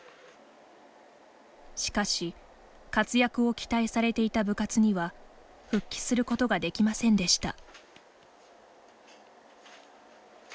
しかし、活躍を期待されていた部活には復帰することができませんでした。